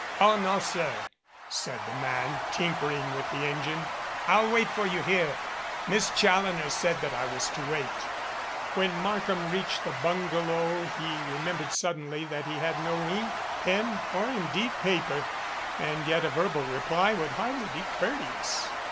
"Oh, no, sir," said the man, tinkering with the engine, "I'll wait for you here. Miss Challoner said that I was to wait." When Markham reached the bungalow he remembered suddenly that he had no ink, pen or indeed paper, and yet a verbal reply would hardly be courteous.